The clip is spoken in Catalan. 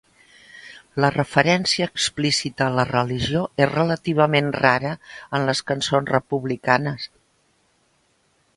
La referència explícita a la religió és relativament rara en les cançons republicanes.